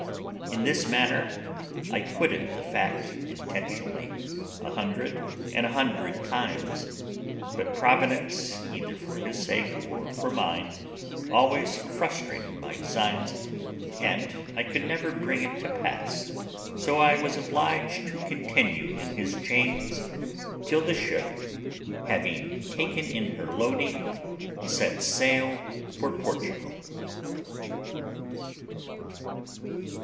In this manner I quitted the fact, intentionally, a hundred and a hundred times; but Providence, either for his sake or for mine, always frustrated my designs, and I could never bring it to pass; so I was obliged to continue in his chains till the ship, having taken in her loading, set sail for Portugal.